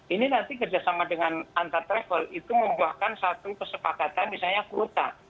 ini nanti kerjasama dengan antar travel itu membuahkan satu kesepakatan misalnya kuota